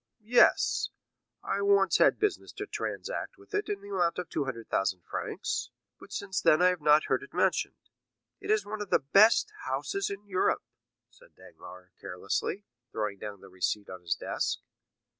"Yes, I once had business to transact with it to the amount of 200,000 francs; but since then I have not heard it mentioned." "It is one of the best houses in Europe," said Danglars, carelessly throwing down the receipt on his desk.